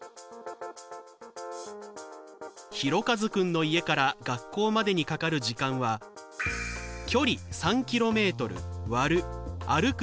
ひろかずくんの家から学校までにかかる時間は距離３ｋｍ割る歩く